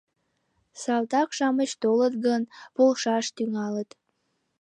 Салтак-шамыч толыт гын, полшаш тӱҥалыт.